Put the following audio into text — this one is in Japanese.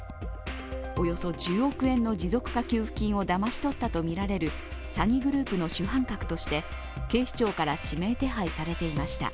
およそ１０億円の持続化給付金をだまし取ったとみられる詐欺グループの主犯格として警視庁から指名手配されていました。